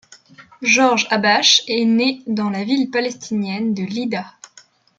Georges Habache est né dans la ville palestinienne de Lydda.